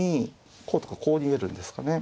こうとかこう逃げるんですかね。